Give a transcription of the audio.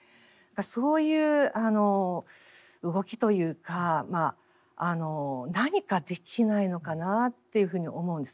そういう動きというか何かできないのかなというふうに思うんですね。